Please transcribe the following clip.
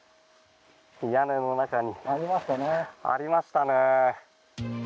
屋根の中にありましたね。